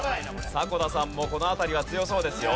迫田さんもこの辺りは強そうですよ。